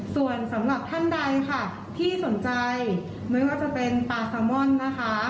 ส่วนสำหรับท่านใดค่ะที่สนใจไม่ว่าจะเป็นปลาซามอนนะคะ